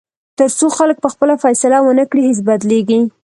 تر څو خلک پخپله فیصله ونه کړي، هیڅ بدلېږي.